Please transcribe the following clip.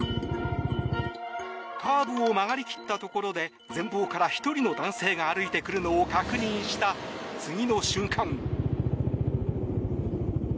カーブを曲がり切ったところで前方から１人の男性が歩いて来るのを確認した次の瞬間。